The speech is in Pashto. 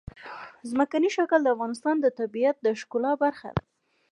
ځمکنی شکل د افغانستان د طبیعت د ښکلا برخه ده.